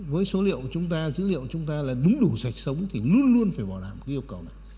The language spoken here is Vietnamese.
với số liệu chúng ta dữ liệu chúng ta là đúng đủ sạch sống thì luôn luôn phải bảo đảm cái yêu cầu này